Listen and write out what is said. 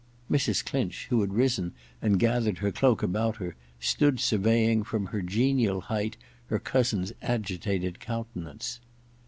Mrs. Clinch, who had risen and gathered her cloak about her, stood surveying from her genial height her cousin's agitated countenance.